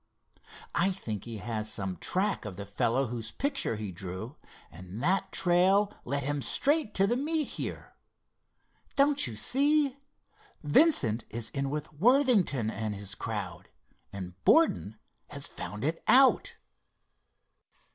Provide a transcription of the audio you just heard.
I think he has some track of the fellow whose picture he drew and that the trail led him straight to the meet here. Don't you see? Vincent is in with Worthington and his crowd and Borden has found it out."